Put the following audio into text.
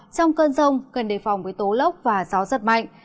trong cơn rông gần đề phòng với tố lốc và gió rất mạnh